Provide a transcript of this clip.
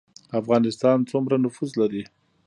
افغانستان سومره نفوس لري